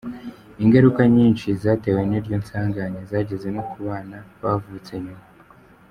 Ingaruka nyinshi zatewe n’iryo nsanganya zageze no kubana bavutse nyuma.